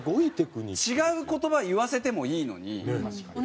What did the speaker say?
違う言葉言わせてもいいのに。